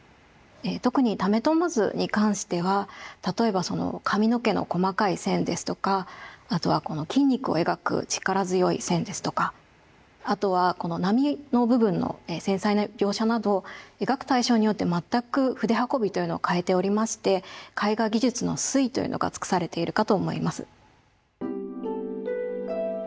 特に「為朝図」に関しては例えばその髪の毛の細かい線ですとかあとはこの筋肉を描く力強い線ですとかあとはこの波の部分の繊細な描写など描く対象によって全く筆運びというのを変えておりまして絵画技術の粋というのが尽くされているかと思います。